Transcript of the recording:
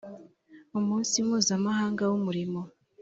Umunsi Mpuzamahanga w Umurimo